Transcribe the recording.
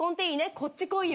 「こっち来いよ」